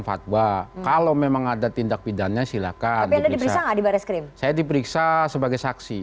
tanda kalau memang ada tindak pidana silakan diperiksa di bareskrim saya diperiksa sebagai saksi